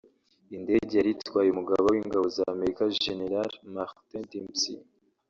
indege yari itwaye Umugaba w’Ingabo z’Amerika General Martin Dempsey